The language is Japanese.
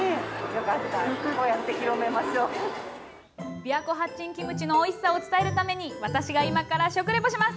琵琶湖八珍キムチのおいしさを伝えるために、私が今から食レポします。